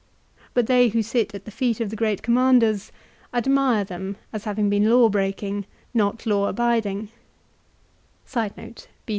But they who sit at the feet of the great commanders admire them as having been law breaking, not law abiding.